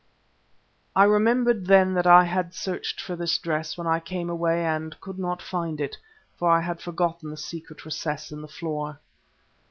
I remembered then that I had searched for this dress when I came away and could not find it, for I had forgotten the secret recess in the floor.